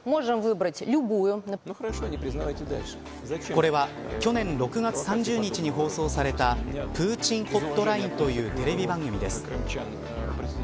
これは去年６月３０日に放送されたプーチン・ホットラインというテレビ番組です。